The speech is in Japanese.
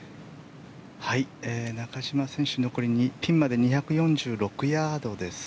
中島選手は残りピンまで２４６ヤードです。